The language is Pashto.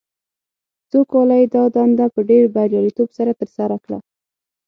څو کاله یې دا دنده په ډېر بریالیتوب سره ترسره کړه.